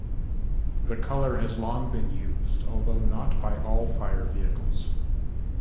The colour has long been used, although not by all fire vehicles.